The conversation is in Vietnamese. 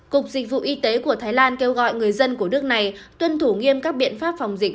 cục dịch vụ y tế của thái lan kêu gọi người dân của nước này tuân thủ nghiêm các biện pháp phòng dịch